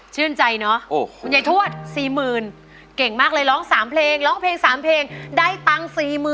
ชื่นใจเนอะคุณยายทวด๔๐๐๐เก่งมากเลยร้อง๓เพลงร้องเพลง๓เพลงได้ตังค์๔๐๐๐